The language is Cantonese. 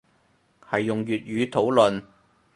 係用粵語討論